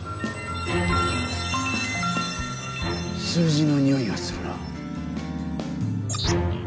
数字のにおいがするなぁ。